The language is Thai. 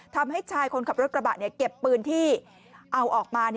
ทำให้ชายคนขับรถกระบะเก็บปืนที่เอาออกมา